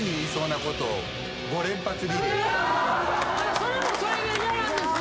それもそれで嫌なんですよ